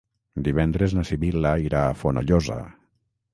Divendres na Sibil·la irà a Fonollosa.